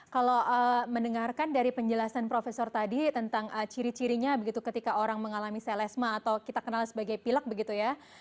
kalau mendengarkan dari penjelasan profesor tadi tentang ciri cirinya begitu ketika orang mengalami selesma atau kita kenal sebagai pilek begitu ya